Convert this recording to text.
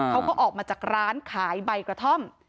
เขาก็ออกมาจากร้านขายใบกระท่อม